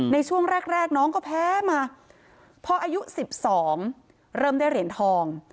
ในช่วงแรกน้องก็แพ้มาพออายุ๑๒เริ่มได้เหรียญทอง